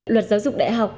luật giáo dục đại học